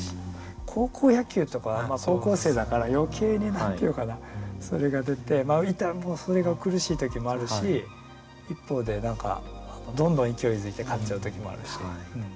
高校野球とか高校生だから余計に何て言うかなそれが出てそれが苦しい時もあるし一方で何かどんどん勢いづいて勝っちゃう時もあるし。